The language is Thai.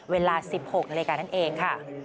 เวลา๑๖มกราคมในรายการนั่นเองค่ะ